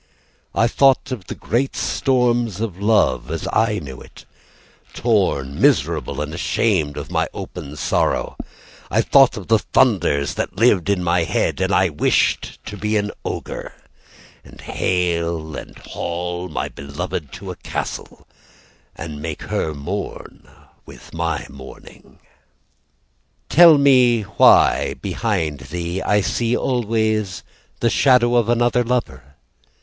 I thought of the great storms of love as I knew it, Torn, miserable, and ashamed of my open sorrow, I thought of the thunders that lived in my head, And I wish to be an ogre, And hale and haul my beloved to a castle, And make her mourn with my mourning. Tell me why, behind thee, I see always the shadow of another lover?